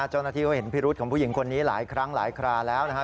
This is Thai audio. เจ้าหน้าที่เขาเห็นพิรุษของผู้หญิงคนนี้หลายครั้งหลายคราแล้วนะฮะ